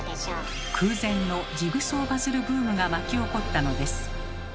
空前のジグソーパズルブームが巻き起こったのです。